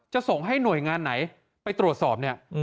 จะส่งให้หน่วยงานไหนไปตรวจสอบเนี่ย